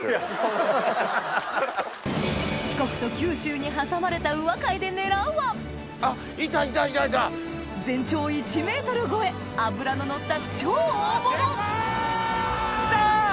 四国と九州に挟まれた宇和海で狙うは全長１ｍ超え脂ののった超大物来た！